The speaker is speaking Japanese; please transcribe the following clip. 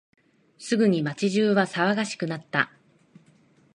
すぐに街中は騒がしくなった。